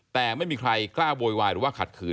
แต่ไม่มีใครกล้าโวยวายหรือว่าขัดขืน